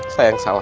saya yang salah